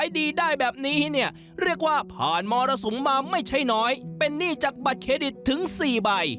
เรียกว่าผ่านมรสมมาไม่ใช่น้อยเป็นหนี้จากบัตรเครดิตถึง๔ใบ